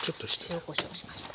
塩こしょうをしました。